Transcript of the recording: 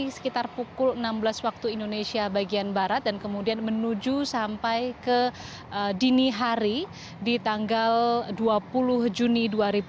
sekitar pukul enam belas waktu indonesia bagian barat dan kemudian menuju sampai ke dini hari di tanggal dua puluh juni dua ribu dua puluh